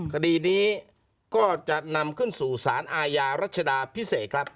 คดีนี้ก็จะนำขึ้นสู่สารอาญารัชดาพิเศษครับ